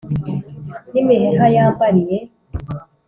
N‘imiheha yambariye